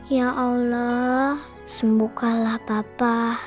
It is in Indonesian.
ya allah sembuhkanlah papa